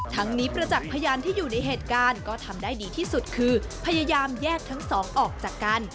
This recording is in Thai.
ทั้งนี้ประจักษ์พยานที่อยู่ในเหตุการณ์ก็ทำได้ดีที่สุดคือพยายามแยกทั้งสองออกจากกัน